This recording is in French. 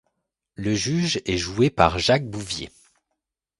Le juge est joué par Jacques Bouvier.